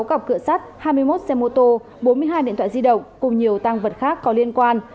sáu cặp cửa sắt hai mươi một xe mô tô bốn mươi hai điện thoại di động cùng nhiều tăng vật khác có liên quan